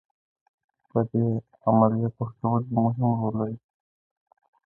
په دې عملیه پښتورګي مهم رول لري.